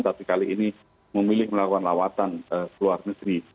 tapi kali ini memilih melakukan lawatan ke luar negeri